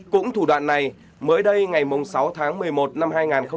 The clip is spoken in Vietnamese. cũng thủ đoạn này mới đây ngày sáu tháng một mươi một năm hai nghìn hai mươi ba